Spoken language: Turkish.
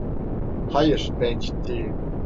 Hayır, ben ciddiyim.